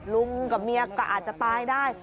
ลุงกับเมียก็อาจจะตายได้